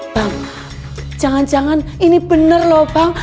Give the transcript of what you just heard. bang jangan jangan ini bener loh bang